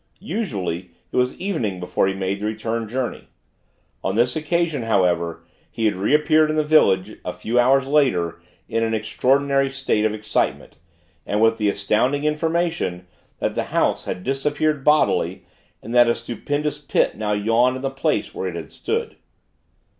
Usually, it was evening before he made the return journey. On this occasion, however, he had reappeared in the village, a few hours later, in an extraordinary state of excitement, and with the astounding information, that the House had disappeared bodily, and that a stupendous pit now yawned in the place where it had stood.